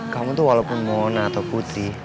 kamu tuh walaupun mona atau putih